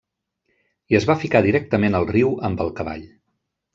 I es va ficar directament al riu amb el cavall.